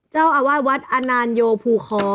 เจ้าอาวาสวัดอนานโยภูคอ